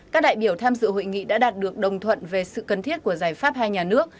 các đại biểu tham dự hội nghị đã đạt được đồng thuận về sự cần thiết của giải pháp hai nhà nước